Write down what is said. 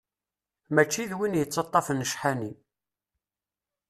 Mačči d win yettaṭṭafen ccḥani.